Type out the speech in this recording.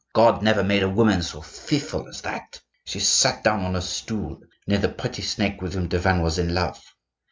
God never made a woman so fearful as that. She sat down on a stool near the pretty snake with whom Tavannes was in love.